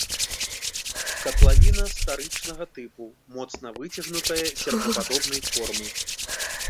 Катлавіна старычнага тыпу, моцна выцягнутая, серпападобнай формы.